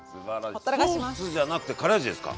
ソースじゃなくてカレー味ですか？